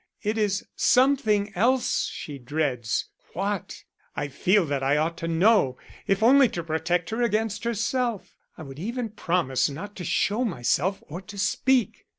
It is something else she dreads. What? I feel that I ought to know if only to protect her against herself. I would even promise not to show myself or to speak."